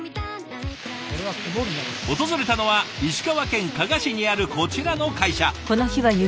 訪れたのは石川県加賀市にあるこちらの会社。